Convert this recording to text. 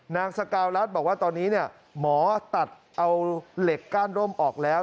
นางสกาวรัฐบอกว่าตอนนี้หมอตัดเอาเหล็กก้านร่มออกแล้ว